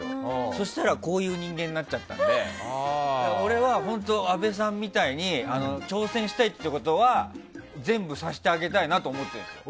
そしたら、こういう人間になっちゃったので俺は本当に阿部さんみたいに挑戦したいっていうことは全部、させてあげたいなと思ってるんですよ。